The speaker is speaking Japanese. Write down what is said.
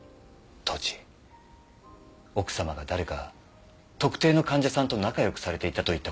当時奥さまが誰か特定の患者さんと仲良くされていたといったことは。